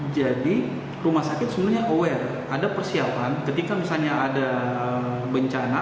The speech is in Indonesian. jadi rumah sakit sebenarnya aware ada persiapan ketika misalnya ada bencana